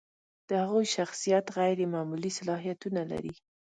د هغوی شخصیت غیر معمولي صلاحیتونه لري.